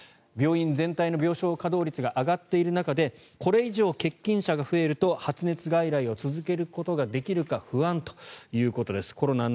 病院全体の病床稼働率が上がっている中でこれ以上、欠勤者が増えると発熱外来を続けることができるか不安ということです。